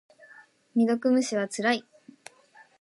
未読無視はつらい。